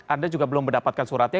anda juga belum mendapatkan suratnya